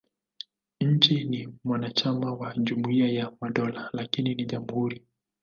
Nchi ni mwanachama wa Jumuiya ya Madola, lakini ni jamhuri.